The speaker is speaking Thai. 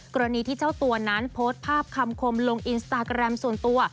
กรณีที่เจ้าตัวนั้นโพสต์ภาพคำคมลงอินสตาแกรมส่วนตัว